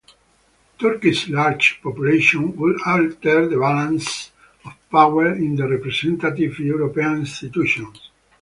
Turkey's large population would alter the balance of power in the representative European institutions.